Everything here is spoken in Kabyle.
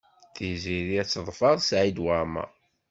Tiziri ad teḍfer Saɛid Waɛmaṛ.